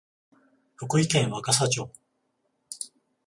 福井県若狭町